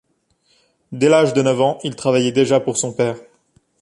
Dès l'âge de neuf ans, il travaillait déjà pour son père.